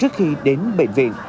trước khi đến bệnh viện